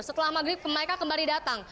setelah maghrib mereka kembali datang